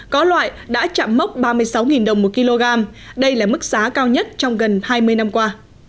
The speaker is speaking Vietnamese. có loại đã chạm mốc ba mươi sáu đồng một kg đây là mức giá cao nhất trong gần hai mươi năm qua